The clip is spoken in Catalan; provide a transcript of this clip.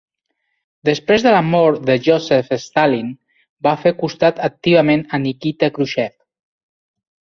Després de la mort de Joseph Stalin, va fer costat activament a Nikita Khruschev.